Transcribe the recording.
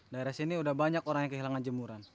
daerah sini udah banyak orang yang kehilangan jemuran